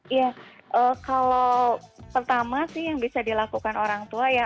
iya kalau pertama sih yang bisa dilakukan orang tua ya